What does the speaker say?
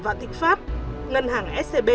vạn thịnh pháp ngân hàng scb